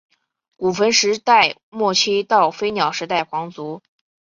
古坟时代末期到飞鸟时代皇族。